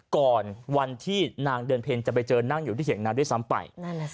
ก่อนวันที่นางเดือนเพ็ญจะไปเจอนั่งอยู่ที่เถียงนาวด้วยซ้ำไป